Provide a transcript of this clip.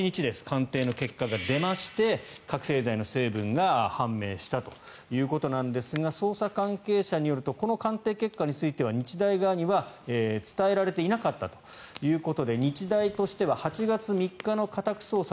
鑑定の結果が出まして覚醒剤の成分が判明したということなんですが捜査関係者によるとこの鑑定結果については日大側には伝えられていなかったということで日大としては８月３日の家宅捜索